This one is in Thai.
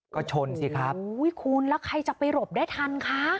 ก็ชนสิครับอุ้ยคุณแล้วใครจะไปหลบได้ทันคะ